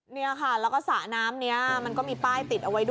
แล้วก็สาน้ำนี้มันก็มีป้ายติดเอาไว้ด้วยนะ